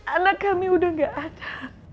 anak kami udah gak ada